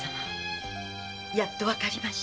やっとわかりました。